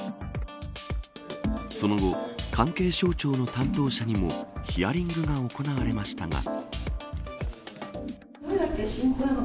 その後、関係省庁の担当者にもヒアリングが行われましたが。